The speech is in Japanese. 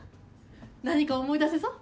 何か思い出せそう？